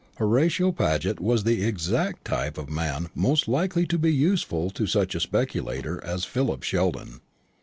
Horatio Paget was the exact type of man most likely to be useful to such a speculator as Philip Sheldon.